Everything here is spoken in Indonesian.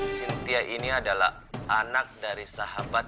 sintia ini adalah anak dari sahabat